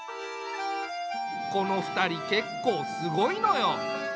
この２人結構すごいのよ。